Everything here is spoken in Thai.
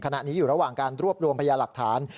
ขณะนี้อยู่ระหว่างการรวบรวมพยาหลักฐาน